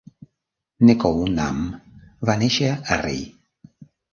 Nekounam va néixer a Rey.